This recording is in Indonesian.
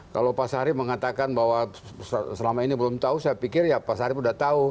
kalau pak sari mengatakan bahwa selama ini belum tahu saya pikir ya pak sarif sudah tahu